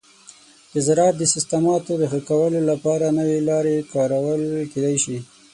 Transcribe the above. د زراعت د سیستماتو د ښه کولو لپاره نوي لارې کارول کیدی شي.